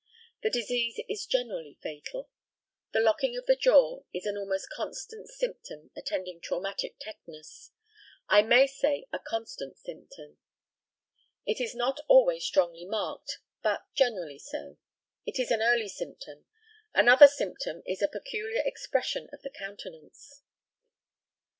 The disease is generally fatal. The locking of the jaw is an almost constant symptom attending traumatic tetanus I may say a constant symptom. It is not always strongly marked, but generally so. It is an early symptom. Another symptom is a peculiar expression of the countenance.